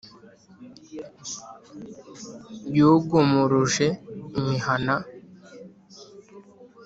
yogomoroje imihana